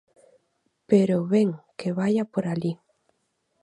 Pero, ben, que vaia por alí.